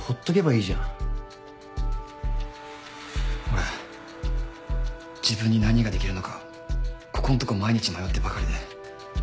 俺自分に何ができるのかここんとこ毎日迷ってばかりで。